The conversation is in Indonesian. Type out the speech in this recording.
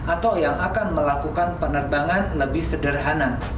atau yang akan melakukan penerbangan lebih sederhana